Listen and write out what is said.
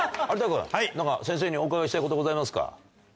有田君何か先生にお伺いしたいことございますか？